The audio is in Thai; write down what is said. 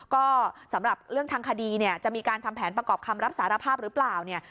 ก็สำหรับเรื่องทางคดีเนี่ยจะมีการทำแผนประกอบคำรับสารภาพหรือเปล่าเนี่ย